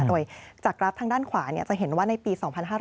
โดยจากกราฟทางด้านขวาจะเห็นว่าในปี๒๕๕๙